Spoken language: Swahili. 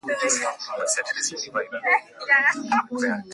Idhaa ya Kiswahili ya Sauti ya Amerika ilizindua matangazo ya moja kwa moja